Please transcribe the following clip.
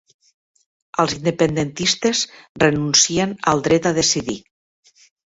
Els independentistes renuncien al dret a decidir.